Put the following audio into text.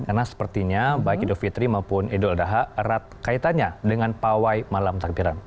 karena sepertinya baik idul fitri maupun idul adha erat kaitannya dengan pawai malam takbiran